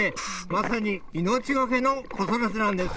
まさに命がけの子育てなんです。